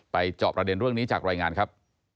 จอบประเด็นเรื่องนี้จากรายงานครับ